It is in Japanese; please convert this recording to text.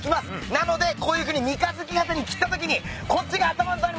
なのでこういうふうに三日月形に切ったときにこっちが頭となります。